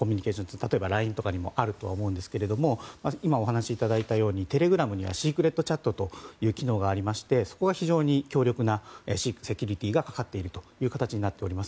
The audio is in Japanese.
例えばＬＩＮＥとかにもあると思うんですけども今、お話いただいたようにテレグラムにはシークレットチャット機能がありまして、そこが非常に強力なセキュリティーがかかっているという形になっております。